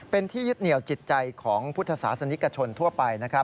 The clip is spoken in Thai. เป็นที่ยึดเหนียวจิตใจของพุทธศาสนิกชนทั่วไป